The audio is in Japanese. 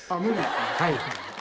はい。